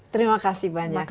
terima kasih banyak